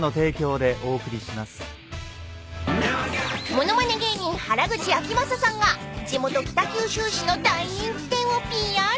［物まね芸人原口あきまささんが地元北九州市の大人気店をＰＲ］